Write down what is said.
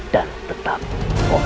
dan tetap kosong